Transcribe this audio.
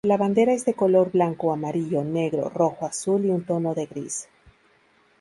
La bandera es de color blanco, amarillo, negro, rojo, azul y un tono de gris